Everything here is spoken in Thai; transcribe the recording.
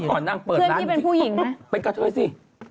เมื่อก่อนนางเปิดร้านเป็นกระเท้าสิ